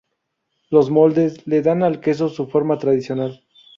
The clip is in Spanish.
Los moldes le dan al queso su forma tradicional.